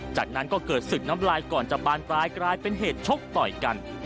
จากนั้นก็เกิดศึกน้ำลายก่อนจะบานปลายกลายเป็นเหตุชกต่อยกัน